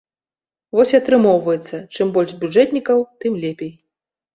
Вось і атрымоўваецца, чым больш бюджэтнікаў, тым лепей.